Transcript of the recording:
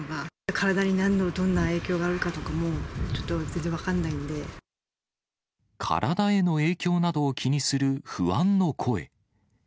体になんの、どんな影響があるのかとかも、ちょっと全然分からな体への影響などを気にする不安の声。